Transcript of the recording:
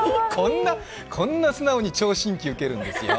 こんな素直に聴診器受けるんですよ。